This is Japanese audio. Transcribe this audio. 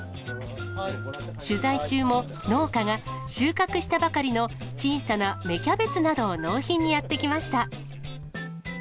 取材中も農家が、収穫したばかりの小さな芽キャベツなどを納品にやって来ました。